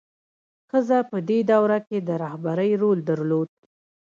ښځه په دې دوره کې د رهبرۍ رول درلود.